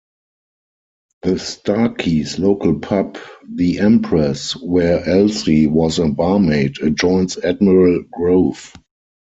The Starkeys' local pub, "the Empress", where Elsie was a barmaid, adjoins Admiral Grove.